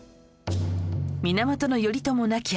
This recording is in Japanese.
源頼朝亡き